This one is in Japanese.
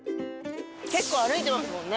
結構歩いてますもんね。